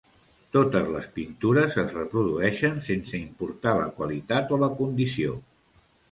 Totes les pintures es reprodueixen sense importar la qualitat o la condició.